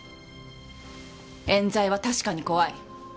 冤罪は確かに怖い。